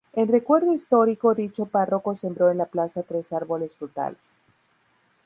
En recuerdo histórico dicho párroco sembró en la plaza tres árboles frutales.